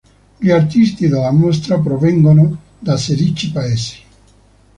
Gli artisti della mostra provengono da sedici paesi.